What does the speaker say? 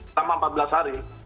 sama empat belas hari